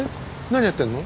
何やってんの？